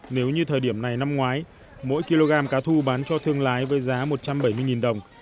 nếu như thời điểm này năm ngoái mỗi kg cá thu bán cho thương lái với giá một trăm bảy mươi đồng